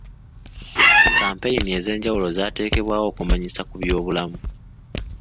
Kampeyini ez'enjawulo zaateekebwawo okumanyisa ku byobulamu.